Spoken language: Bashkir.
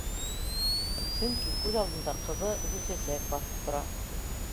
Сөнки күҙ алдында ҡыҙы Гөлсә- сәк баҫып тора